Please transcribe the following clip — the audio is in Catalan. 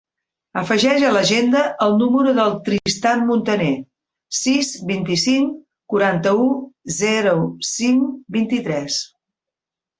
Afegeix a l'agenda el número del Tristan Montaner: sis, vint-i-cinc, quaranta-u, zero, cinc, vint-i-tres.